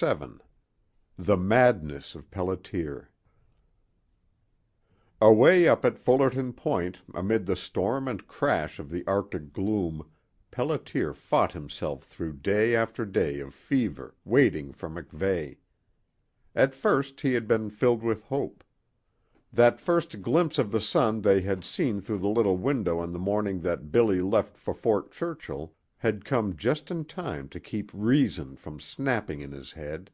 VII THE MADNESS OF PELLITER Away up at Fullerton Point amid the storm and crash of the arctic gloom Pelliter fought himself through day after day of fever, waiting for MacVeigh. At first he had been filled with hope. That first glimpse of the sun they had seen through the little window on the morning that Billy left for Fort Churchill had come just in time to keep reason from snapping in his head.